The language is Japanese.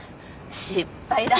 失敗だ！